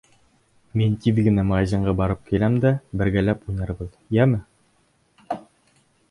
— Мин тиҙ генә магазинға барып киләм дә, бергәләп уйнарбыҙ, йәме.